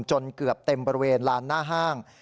จนเกือบเต็มบริเวณลานหน้าห้าง